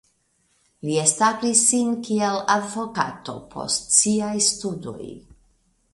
Li establis sin kiel advokato post siaj studoj.